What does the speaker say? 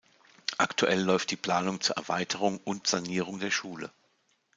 Aktuell läuft die Planung zur Erweiterung und Sanierung der Schule.